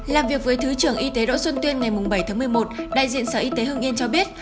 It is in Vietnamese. làm việc với thứ trưởng y tế đỗ xuân tuyên ngày bảy tháng một mươi một đại diện sở y tế hương yên cho biết